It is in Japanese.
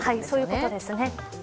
そういうことですね。